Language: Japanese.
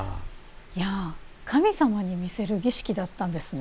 いやあ神様に見せる儀式だったんですね。